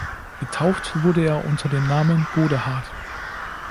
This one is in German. Getauft wurde er unter dem Namen Godehard.